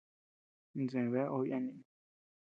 Insë bea obe yana ñeʼen.